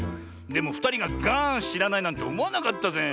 でもふたりがガーンしらないなんておもわなかったぜ。